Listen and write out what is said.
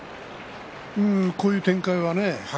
こういう展開はね